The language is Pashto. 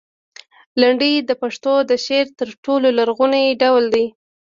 لنډۍ د پښتو د شعر تر ټولو لرغونی ډول دی.